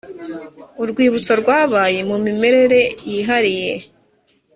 urwibutso rwabaye mu mimerere yihariye